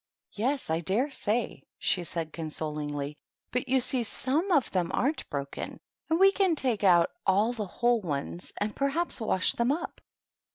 " Yes, I dare say,'' she said, consolingly ;" but you see, some of them aren't broken, and we can take out all the whole ones and perhaps wash them up."